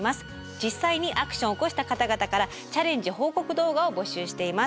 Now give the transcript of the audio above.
実際にアクションを起こした方々からチャレンジ報告動画を募集しています。